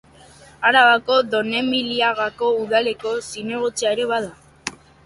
Arabako Donemiliagako udaleko zinegotzia ere bada.